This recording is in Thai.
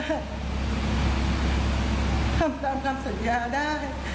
ทำตามคำสัญญาได้